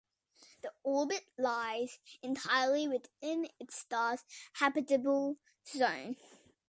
The orbit lies entirely within its star's habitable zone.